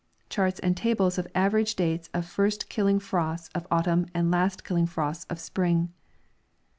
Charts and tables of average dates of first kilHng frosts of autumn and last killing frosts of spring.